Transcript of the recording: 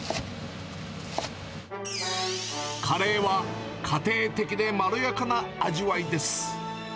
カレーは、家庭的でまろやかな味わいです。